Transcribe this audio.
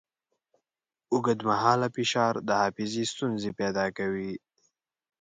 اوږدمهاله فشار د حافظې ستونزې پیدا کوي.